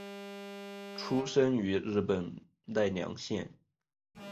出身于日本奈良县。